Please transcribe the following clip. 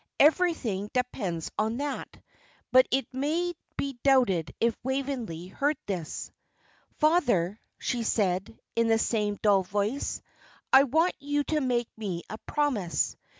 Everything depends on that." But it may be doubted if Waveney heard this. "Father," she said, in the same dull voice, "I want you to make me a promise.